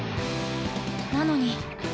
なのに。